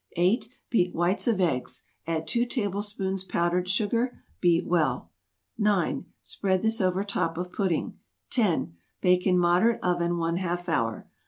8. Beat whites of eggs. Add 2 tablespoons powdered sugar. Beat well. 9. Spread this over top of pudding. 10. Bake in moderate oven one half hour.